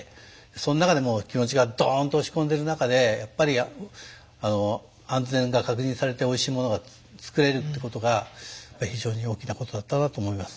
その中でもう気持ちがドーンと落ち込んでる中でやっぱりあの安全が確認されておいしいものが作れるってことが非常に大きなことだったなと思います。